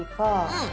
うん！